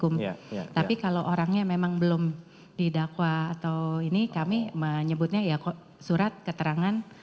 tapi kalau orangnya memang belum didakwa atau ini kami menyebutnya ya kok surat keterangan